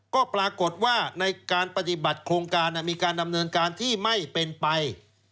ก็ปรากฏว่าในการปฏิบัติโครงการมีการดำเนินการที่ไม่เป็นไป